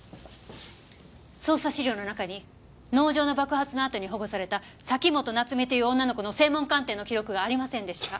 捜査資料の中に農場の爆発のあとに保護された崎本菜津美という女の子の声紋鑑定の記録がありませんでした。